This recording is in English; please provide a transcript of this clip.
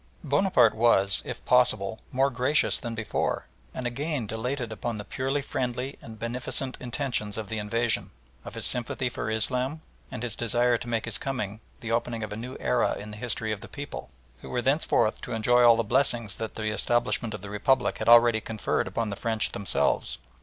Bonaparte was, if possible, more gracious than before, and again dilated upon the purely friendly and beneficent intentions of the invasion, of his sympathy for Islam, and his desire to make his coming the opening of a new era in the history of the people, who were thenceforth to enjoy all the blessings that the establishment of the Republic had already conferred upon the French themselves.